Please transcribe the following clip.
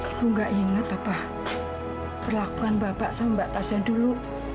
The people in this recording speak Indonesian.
ibu gak ingat apa perlakuan bapak sama mbak tasnya dulu